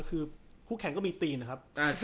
คือคุกแขนก็มีตีนอะครับ